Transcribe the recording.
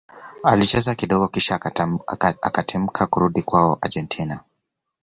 alicheza kidogo kisha akatimka kurudi kwao argentina